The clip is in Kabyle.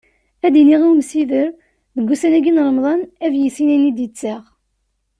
Ad d-iniɣ i umsider deg ussan-agi n Remḍan, ad yissin ayen i d-yettaɣ.